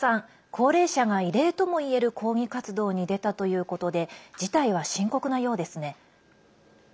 高齢者が異例ともいえる抗議活動に出たということで事態は深刻なようですね。